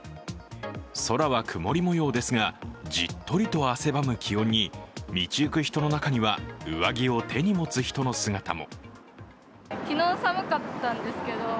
空は曇り模様ですが、じっとりと汗ばむ気温に道行く人の中には上着を手に持つ人の姿も。